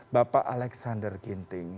bapak alexander ginting